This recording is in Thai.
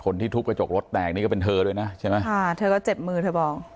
คนที่ทุบกระจกรถแตกนี่ก็เป็นเธอด้วยนะใช่ไหมค่ะเธอก็เจ็บมือเธอบอก